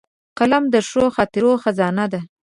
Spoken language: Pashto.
قلم د ښو خاطرو خزانه ده